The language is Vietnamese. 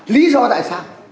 lý do tại sao